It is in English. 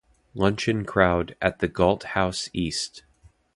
Luncheon crowd at the Galt House East.